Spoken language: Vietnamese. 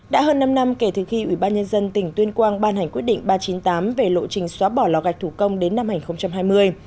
đã hơn năm năm kể từ khi ủy ban nhân dân tỉnh tuyên quang ban hành quyết định ba trăm chín mươi tám về lộ trình xóa bỏ lò gạch thủ công đến năm hai nghìn hai mươi